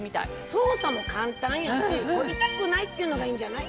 操作も簡単やし痛くないっていうのがいいんじゃない？